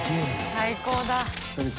最高だ。